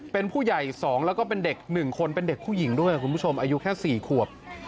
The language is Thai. เป็นผู้ใหญ่๒แล้วก็เป็นเด็ก๑คนเป็นเด็กผู้หญิงด้วยคุณผู้ชมอายุแค่๔ขวบ